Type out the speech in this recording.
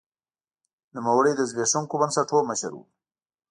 نوموړي د زبېښونکو بنسټونو مشر و.